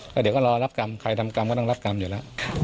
เดี๋ยวก็รอรับกรรมใครทำกรรมก็ต้องรับกรรมอยู่แล้ว